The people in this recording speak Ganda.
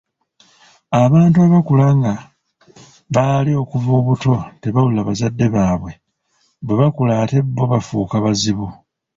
Abantu abakula nga baali okuva obuto tebawulira bazadde baabwe, bwe bakula ate bo bafuuka bazibu.